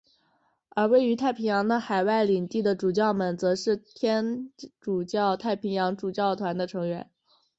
而位于太平洋的海外领地的主教们则是天主教太平洋主教团的成员。